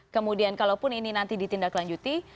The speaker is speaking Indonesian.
kemudian kalaupun ini nanti ditindaklanjuti